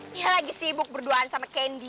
dia lagi sibuk berduaan sama kendi